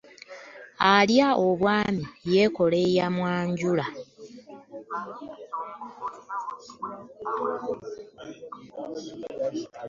Alya obwami yeekola yamwanjula.